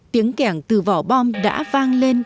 tiếng kẻng từ vỏ bom đã vang lên